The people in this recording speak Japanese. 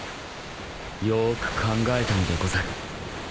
よーく考えたのでござる。